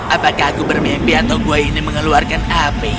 apakah aku bermimpi atau gua ini mengeluarkan api